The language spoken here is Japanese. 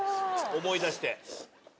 思い出して。